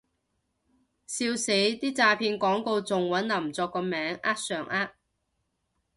笑死，啲詐騙廣告仲搵林作個名呃上呃